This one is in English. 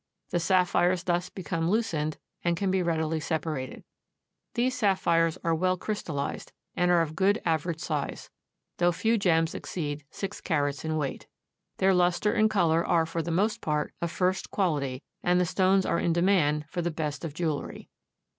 The sapphires thus become loosened and can be readily separated. These sapphires are well crystallized and are of good average size, though few gems exceed six carats in weight. Their luster and color are for the most part of first quality, and the stones are in demand for the best of jewelry.